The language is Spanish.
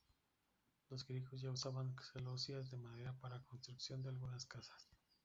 Los griegos ya usaban celosías de madera para la construcción de algunas casas.